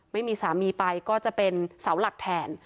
ไม่มีสามีไปก็จะเป็นเสาหลักแทน